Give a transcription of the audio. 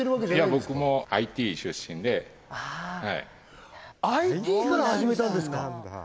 僕もＩＴ出身ではいＩＴから始めたんですか？